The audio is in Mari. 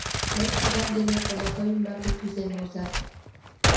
Тый куват дене комака ӱмбаке кӱзен возат.